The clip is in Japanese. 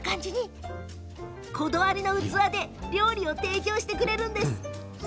こだわりの器で料理を提供してくれるんです。